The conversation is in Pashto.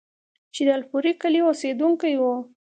چې د الپورۍ کلي اوسيدونکی وو،